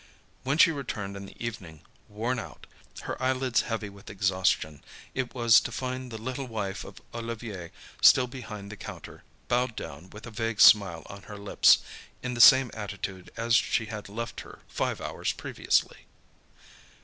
When she returned in the evening, worn out, her eyelids heavy with exhaustion, it was to find the little wife of Olivier still behind the counter, bowed down, with a vague smile on her lips, in the same attitude as she had left her five hours previously.